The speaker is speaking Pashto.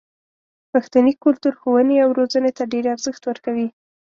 پښتني کلتور ښوونې او روزنې ته ډېر ارزښت ورکوي.